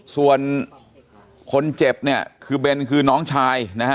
ส่วนคนเจ็บเนี่ยคือเบนคือน้องชายนะฮะ